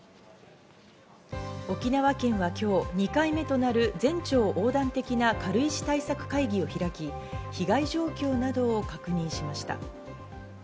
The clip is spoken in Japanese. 沖縄県は今日、２回目となる全庁横断的な軽石対策会議を開き、被害状況などを確認しました。